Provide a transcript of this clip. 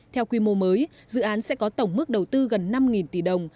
theo quy mô mới dự án sẽ có tổng mức đầu tư gần năm tỷ đồng